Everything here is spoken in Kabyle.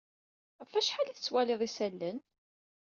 Ɣef wacḥal ay tettwaliḍ isalan?